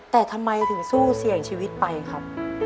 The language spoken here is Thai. แต่ทำไมถึงสู้เสี่ยงชีวิตไปครับ